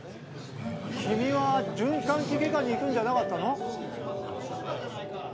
君は循環器外科に行くんじゃなかったの？